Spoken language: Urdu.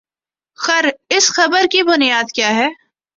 خر اس خبر کی بنیاد کیا ہے؟